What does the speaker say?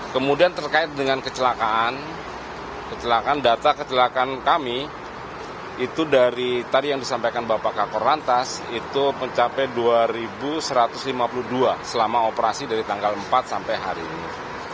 kemudian terkait dengan kecelakaan kecelakaan data kecelakaan kami itu dari tadi yang disampaikan bapak kakor lantas itu mencapai dua satu ratus lima puluh dua selama operasi dari tanggal empat sampai hari ini